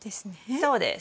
そうです。